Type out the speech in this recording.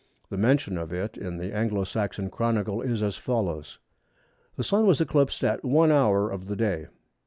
The mention of it in the Anglo Saxon Chronicle is as follows:—"The Sun was eclipsed at 1 hour of the day."